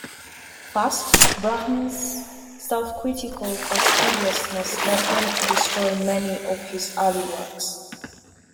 First, Brahms' self-critical fastidiousness led him to destroy many of his early works.